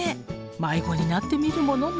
まいごになってみるものね。